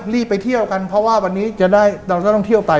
รีบไปเที่ยวกันเพราะว่าวันนี้จะได้เราก็ต้องท่องเที่ยวไป